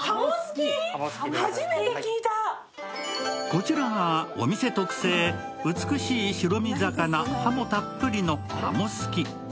こちらがお店特製、美しい白身魚、ハモたっぷりの鱧すき。